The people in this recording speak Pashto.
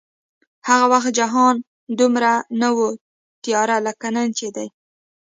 هغه وخت جهان دومره نه و تیاره لکه نن چې دی